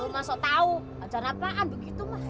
lo maso tau ajan apaan begitu mah